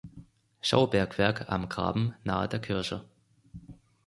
Schaubergwerk "Am Graben" nahe der Kirche.